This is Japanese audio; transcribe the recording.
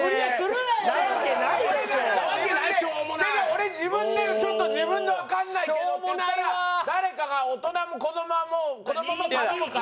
俺自分でちょっと自分のわかんないけどって言ったら誰かが「大人も子供も頼むから」